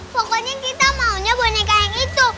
pokoknya kita maunya boneka yang itu